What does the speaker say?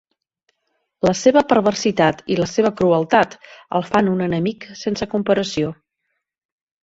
La seva perversitat i la seva crueltat el fan un enemic sense comparació.